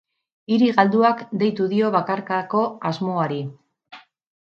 Hiri galduak deitu dio bakarkako asmoari.